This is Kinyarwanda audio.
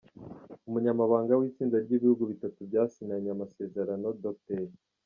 Umunyamabanga w’itsinda ry’ibihugu bitatu byasinyanye amasezerano, Dr.